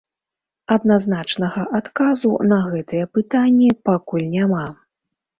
Адназначнага адказу на гэтыя пытанні пакуль няма.